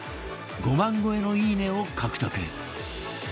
５万超えのいいねを獲得